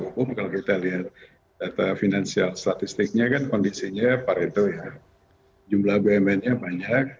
umum kalau kita lihat data finansial statistiknya kan kondisinya parito ya jumlah bumnnya banyak